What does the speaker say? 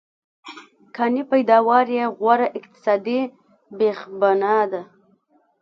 کانې پیداوار یې غوره اقتصادي بېخبنا ده.